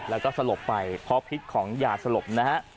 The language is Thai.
แล้วก็สลบไปเพราะพิษของยาสลบนะฮะ